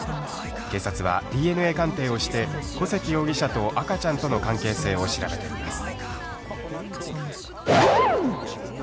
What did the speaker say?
警察はＤＮＡ鑑定をして、小関容疑者と赤ちゃんとの関係性を調べています。